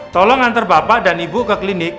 tolong antar bapak dan ibu ke klinik